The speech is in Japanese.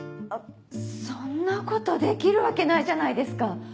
そんなことできるわけないじゃないですか。